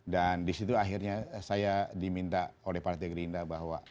dan disitu akhirnya saya diminta oleh partai gerindra bahwa